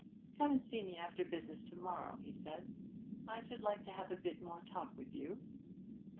"Come and see me after business to morrow," he said, "I should like to have a bit more talk with you."